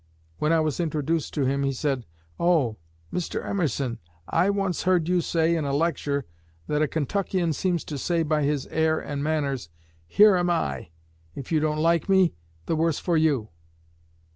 When I was introduced to him he said, 'Oh, Mr. Emerson, I once heard you say in a lecture that a Kentuckian seems to say by his air and manners, "Here am I; if you don't like me, the worse for you."'"